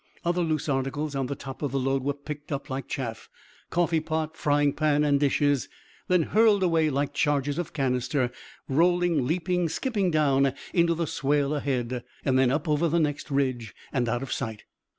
Other loose articles on the top of the load were picked up like chaff coffee pot, frying pan, and dishes then hurtled away like charges of canister, rolling, leaping, skipping down into the swale ahead, then up over the next ridge and out of sight.